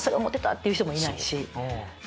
って人もいないし。